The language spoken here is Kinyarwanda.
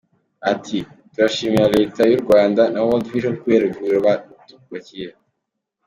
Ati : “Turashimira leta y’u Rwanda na World Vision kubera ivuriro batwubakiye.